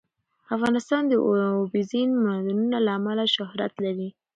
افغانستان د اوبزین معدنونه له امله شهرت لري.